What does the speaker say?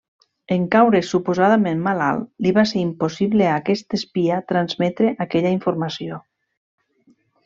En caure suposadament malalt, li va ser impossible a aquest espia transmetre aquella informació.